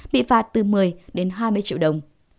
bị phạt từ một mươi đến hai mươi triệu đồng